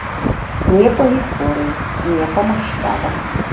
Не па гісторыі, не па маштабам.